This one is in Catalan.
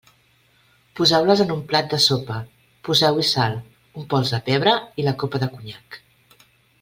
Poseu-les en un plat de sopa, poseu-hi sal, un pols de pebre i la copa de conyac.